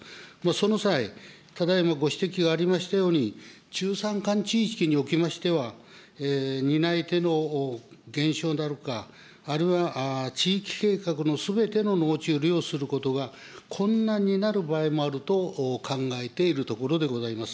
その際、ただいまご指摘がありましたように、中山間地域におきましては、担い手の減少であるか、あるいは地域計画のすべての農地を利用することが、困難になる場合もあると考えているところでございます。